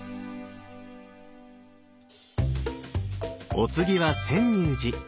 お次は泉涌寺。